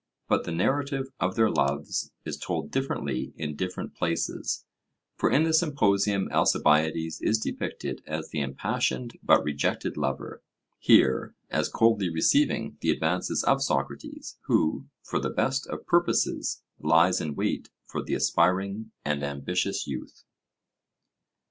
But the narrative of their loves is told differently in different places; for in the Symposium Alcibiades is depicted as the impassioned but rejected lover; here, as coldly receiving the advances of Socrates, who, for the best of purposes, lies in wait for the aspiring and ambitious youth.